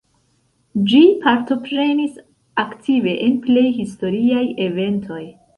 Ĝi partoprenis aktive en plej historiaj eventoj.